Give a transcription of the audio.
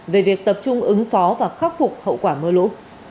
về việc tập trung ứng phó và khắc phục hậu quả mưa lũ